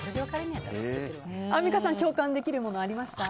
アンミカさん共感できるものありました？